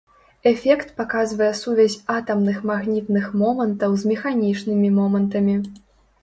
Эфект паказвае сувязь атамных магнітных момантаў з механічнымі момантамі.